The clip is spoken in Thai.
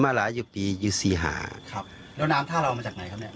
หลายสิบปีหยุดสี่หาครับแล้วน้ำท่าเราเอามาจากไหนครับเนี้ย